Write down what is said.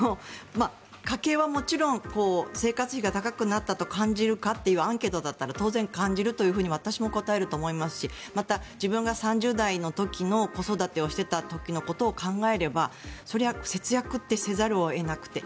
家計はもちろん生活費が高くなったと感じるかというアンケートだったら当然、感じると私も答えると思いますしまた、自分が３０代の時の子育てをしていた時のことを考えればそれは節約ってせざるを得なくて。